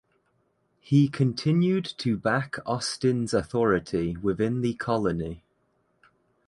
He continued to back Austin’s authority within the colony.